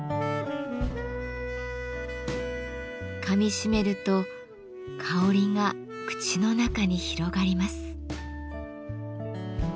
かみしめると香りが口の中に広がります。